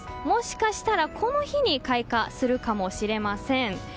もしかしたら、この日に開花するかもしれません。